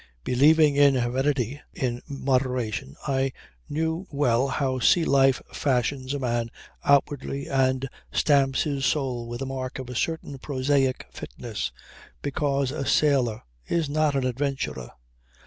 Believing in heredity in moderation I knew well how sea life fashions a man outwardly and stamps his soul with the mark of a certain prosaic fitness because a sailor is not an adventurer.